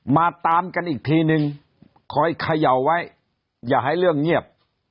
มาตามกันอีกทีนึงคอยเขย่าไว้อย่าให้เรื่องเงียบ